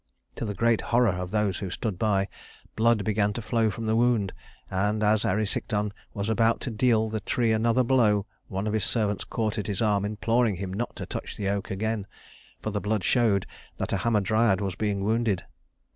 To the great horror of those who stood by, blood began to flow from the wound; and as Erysichthon was about to deal the tree another blow, one of his servants caught at his arm, imploring him not to touch the oak again, for the blood showed that a Hamadryad was being wounded.